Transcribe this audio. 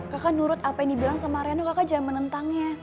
kakak nurut apa yang dibilang sama riano kakak jangan menentangnya